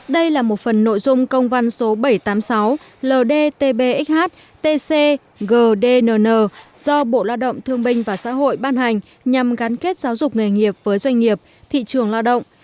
đây là một phần nội dung công văn số bảy trăm tám mươi sáu ld tb xh tc gdnn do bộ lao động thương minh và xã hội ban hành nhằm gắn kết giáo dục nghề nghiệp với doanh nghiệp thị trường lao động